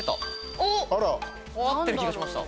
合ってる気がしました。